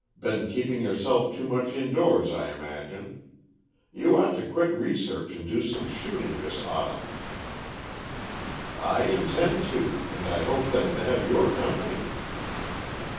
Been keeping yourself too much indoors, I imagine. You ought to quit research and do some shooting this autumn." "I intend to, and I hope then to have your company."